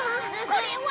これは。